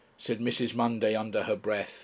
said Mrs. Monday under her breath.)